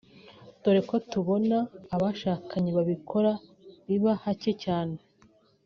dore ko kubona abashakanye babikora biba hake cyane